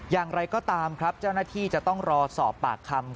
อย่างไรก็ตามครับเจ้าหน้าที่จะต้องรอสอบปากคำ